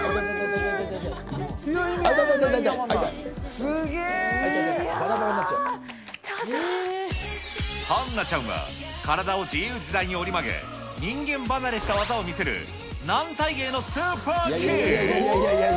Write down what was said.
すげぇ。はんなちゃんは、体を自由自在に折り曲げ、人間離れした技を見せる、軟体芸のスーパーキッズ。